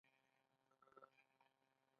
بیربل او تانسن مشهور وو.